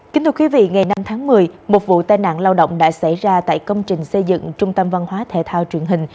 kính thưa quý vị ngày năm tháng một mươi một vụ tai nạn lao động đã xảy ra tại công trình xây dựng trung tâm văn hóa thể thao truyền hình